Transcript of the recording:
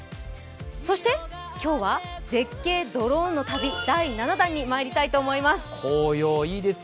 そして今日は、絶景ドローンの旅・第７弾にまいりたいと思います。